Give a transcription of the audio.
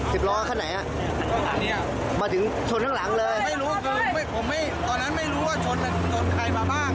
สิบล้อข้างไหนน่ะมาถึงชนข้างหลังเลยไม่รู้ตอนนั้นไม่รู้ว่าชนใครมาบ้าง